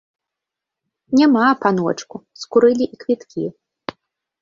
Няма, паночку, скурылі і квіткі.